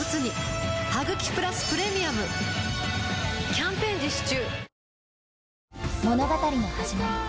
キャンペーン実施中